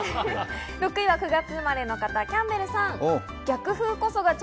６位は９月生まれの方、キャンベルさん。